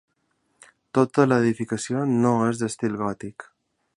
Tota l'edificació no és d'estil gòtic.